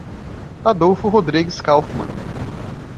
Adolfo Rodrigues Kauffmann